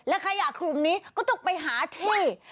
ขยะกลุ่มนี้ก็ต้องไปหาที่